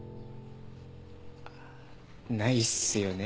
ないっすよね。